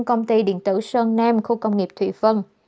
công ty điện tử sơn nam khu công nghiệp thụy vân